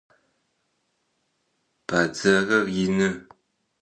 Бадзэрыр ины.